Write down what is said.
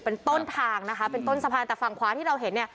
เป็นต้นทางเป็นต้นสะพานแต่ฝั่งขวานที่เราเห็น